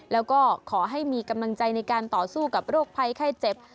แล้วก็ขอให้มีกำลังใจในการต่อสู้กับโรคภัยไข้เจ็บ